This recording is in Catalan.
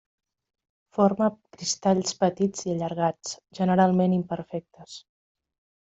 Forma cristalls petits i allargats, generalment imperfectes.